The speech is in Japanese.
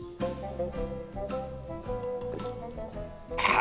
あ。